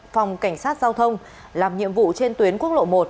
phòng cảnh sát giao thông làm nhiệm vụ trên tuyến quốc lộ một